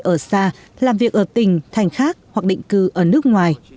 ở xa làm việc ở tỉnh thành khác hoặc định cư ở nước ngoài